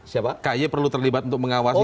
siapa kay perlu terlibat untuk mengawasi